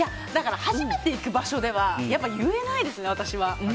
初めて行く場所では言えないですね、私は。